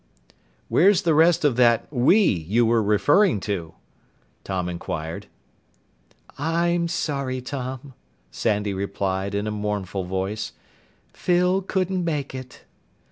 "Where's the rest of that 'we' you were referring to?" Tom inquired. "I'm sorry, Tom," Sandy said in a mournful voice. "Phyl couldn't make it."